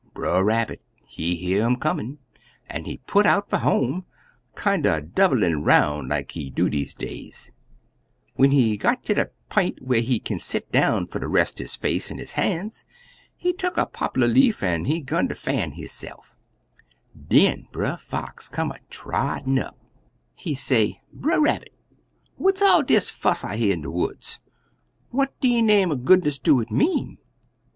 Brer Rabbit he hear um comin' an' he put out fer home, kinder doublin' 'roun' des like he do deze days. "When he got ter de p'int whar he kin set down fer ter rest his face an' han's, he tuck a poplar leaf an' 'gun ter fan hisse'f. Den Brer Fox come a trottin' up. He say, 'Brer Rabbit, what's all dis fuss I hear in de woods? What de name er goodness do it mean?'